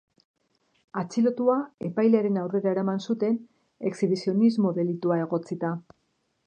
Atxilotua epailearen aurrera eraman zuten, exhibizionismo delitua egotzita.